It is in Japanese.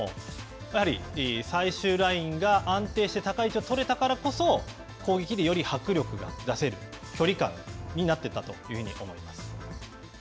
やはり最終ラインが安定して高い位置を取れたからこそ、攻撃により迫力が出せる距離感になっていったというふうに思います。